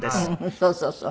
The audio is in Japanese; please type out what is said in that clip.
そうそうそう。